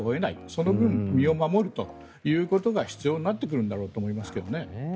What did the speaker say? その分、身を守るということが必要になってくるんだと思いますけどね。